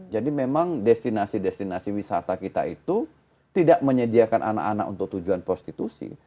memang destinasi destinasi wisata kita itu tidak menyediakan anak anak untuk tujuan prostitusi